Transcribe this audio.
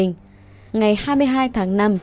ngày hai mươi hai tháng năm